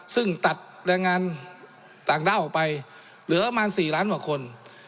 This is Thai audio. ซึ่งตัดแรงงานต่างด้าวออกไปเหลือประมาณ๔ล้านกว่าคน